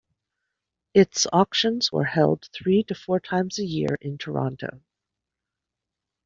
Its auctions are held three to four times a year in Toronto.